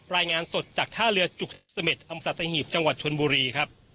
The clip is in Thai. รายงานสดจากท่าเรือจุกสเม็ดธรรมสตะหิตจังหวัดชนบุรีครับ